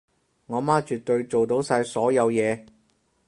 我媽絕對做到晒所有嘢